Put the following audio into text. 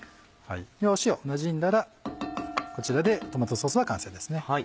塩なじんだらこちらでトマトソースは完成です。